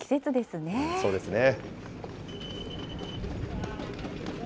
そうですね。